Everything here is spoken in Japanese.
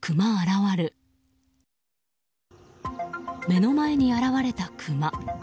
目の前に現れたクマ。